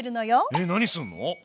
えっ何するの？